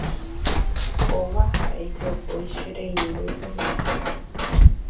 Kóva ha'e jopói che reindýpe g̃uarã.